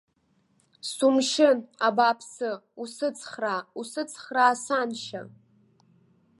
Сумшьын, абааԥсы, усыцхраа, усыцхраа, саншьа!